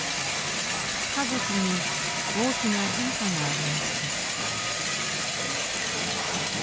家族に大きな変化がありました。